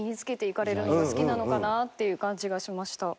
ていう感じがしました。